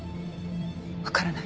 分からない。